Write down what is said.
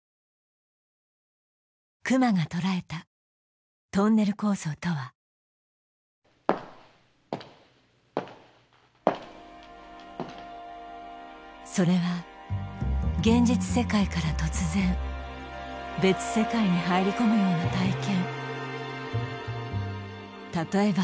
隈がとらえたトンネル構造とはそれは現実世界から突然別世界に入り込むような体験